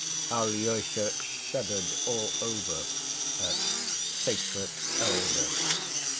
(Alyosha shuddered all over at "sacred elder.")